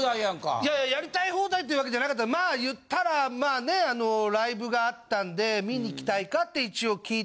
いやいややりたい放題ってわけじゃなかったまあ言ったらまあねあのライブがあったんで観に来たいか？